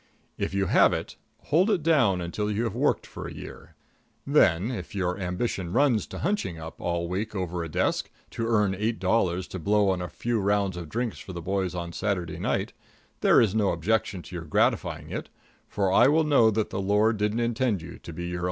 If you have it, hold it down until you have worked for a year. Then, if your ambition runs to hunching up all week over a desk, to earn eight dollars to blow on a few rounds of drinks for the boys on Saturday night, there is no objection to your gratifying it; for I will know that the Lord didn't intend you to be your own boss.